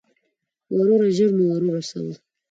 وروره، ژر مو ور ورسوه.